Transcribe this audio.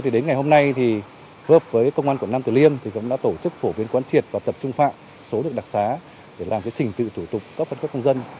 đến ngày hôm nay thì hợp với công an quận năm từ liêm thì cũng đã tổ chức phổ biến quan triệt và tập trung phạm số được đặc xá để làm cái trình tự thủ tục cấp căn cước công dân